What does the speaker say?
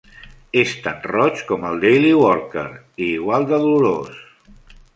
És tan roig com el "Daily Worker" i igual de dolorós.